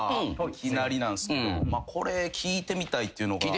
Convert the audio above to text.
いきなりなんすけどこれ聞いてみたいっていうのが。